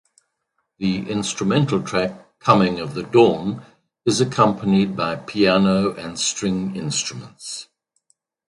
The instrumental track "Coming of the Dawn" is accompanied by piano and string instruments.